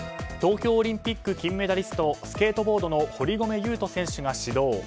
東京オリンピック金メダリストスケートボードの堀米雄斗選手が始動。